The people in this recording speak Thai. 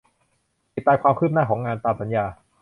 ติดตามความคืบหน้าของงานตามสัญญา